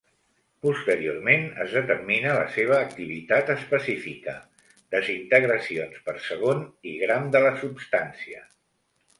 Posteriorment es determina la seva activitat específica, desintegracions per segon i gram de la substància.